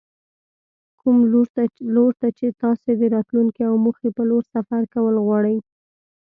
کوم لور ته چې تاسې د راتلونکې او موخې په لور سفر کول غواړئ.